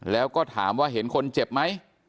แล้วก็ถามว่าเห็นคนเจ็บไหม